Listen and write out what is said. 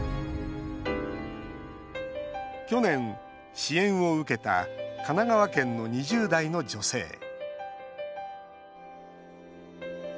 去年、支援を受けた神奈川県の２０代の女性